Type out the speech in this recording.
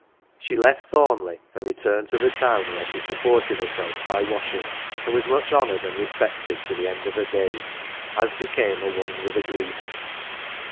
She left Thornleigh and returned to the town, where she supported herself by washing, and was much honoured and respected to the end of her days, as became a woman with a grievance.